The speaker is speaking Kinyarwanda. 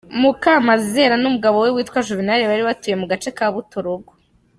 Mukamazera n’umugabo we witwa Juvénal bari batuye mu gace ka Butorogo.